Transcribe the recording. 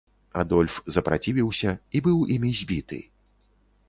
Адольф запрацівіўся і быў імі забіты.